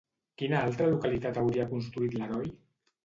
Quina altra localitat hauria constituït l'heroi?